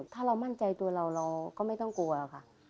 ถ้าเรามั่นใจตัวเราเราก็ไม่ต้องกลัวค่ะ